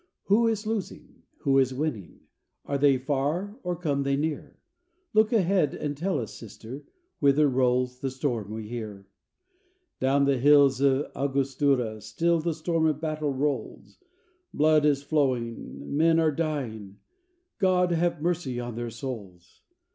Who is losing? Who is winning? Are they far or come they near? Look ahead, and tell us, Sister, whither rolls the storm we hear. "Down the hills of Augostura still the storm of battle rolls; Blood is flowing, men are dying; God have mercy on their souls!"